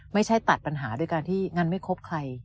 ไม่ใช่ตัดปัญหาด้วยการที่งานไม่ครบใคร